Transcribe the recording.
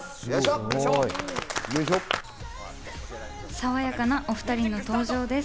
爽やかなお２人の登場です。